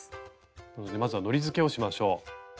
なのでまずはのりづけをしましょう。